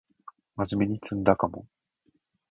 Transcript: まじめに詰んだかも